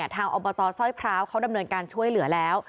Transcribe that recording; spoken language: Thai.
อบตสร้อยพร้าวเขาดำเนินการช่วยเหลือแล้ว